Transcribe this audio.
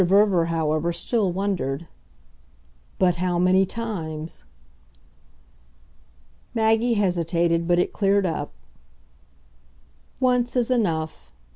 Verver, however, still wondered. "But how many times." Maggie hesitated, but it cleared up. "Once is enough.